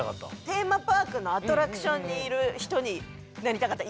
テーマパークのアトラクションにいるひとになりたかった。